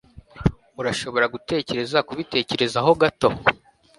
urashobora gutekereza kubitekerezaho gato